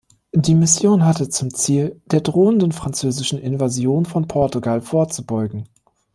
Die Mission hatte zum Ziel, der drohenden französischen Invasion von Portugal vorzubeugen.